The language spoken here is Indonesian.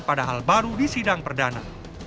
pada hal baru di sidang perdana